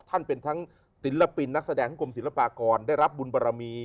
ทั้งเป็นทั้งศิลปินนักแสดงทั้งกรมศิลปากรได้รับบุญบารมี